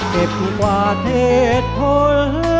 เก็บกว่าเทศโทร